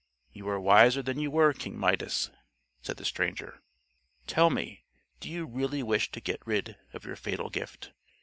"You are wiser than you were, King Midas," said the stranger. "Tell me, do you really wish to get rid of your fatal gift?"